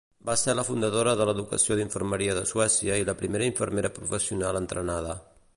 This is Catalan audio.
Va ser la fundadora de l'educació d'infermeria de Suècia i la primera infermera professional entrenada.